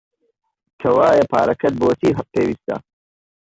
کەوایە پارەکەت بۆ چی پێویستە؟